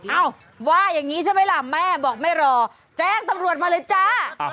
เอ้าว่าอย่างนี้ใช่ไหมล่ะแม่บอกไม่รอแจ้งตำรวจมาเลยจ้า